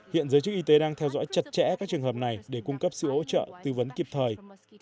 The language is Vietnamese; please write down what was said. hiện giới chức y tế đang theo dõi chặt chẽ các trường hợp này để cung cấp sự hỗ trợ tư vấn kịp thời